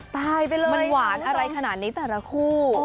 ตายไปเลยมันหวานอะไรขนาดนี้แต่ละคู่